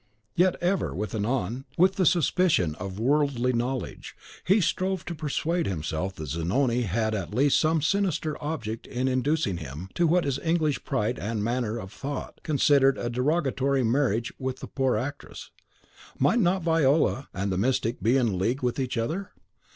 Yet, ever and anon, with the suspicion of worldly knowledge, he strove to persuade himself that Zanoni had at least some sinister object in inducing him to what his English pride and manner of thought considered a derogatory marriage with the poor actress. Might not Viola and the Mystic be in league with each other?